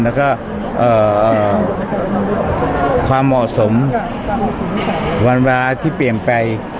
แล้วก็ความเหมาะสมวันเวลาที่เปลี่ยนไป